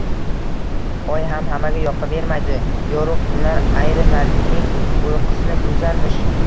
– Oy ham hammaga yoqavermaydi, yorug’ tunlar ayrimlarning uyqusini buzarmish.